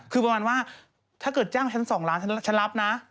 คือประมาณว่าถ้าเกิดจ้างฉัน๒ล้านฉันรับนะ